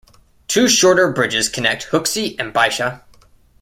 Two shorter bridges connect Huxi and Baisha.